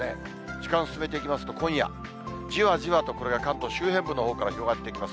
時間進めていきますと、今夜、じわじわとこれが関東周辺部のほうから広がっていきます。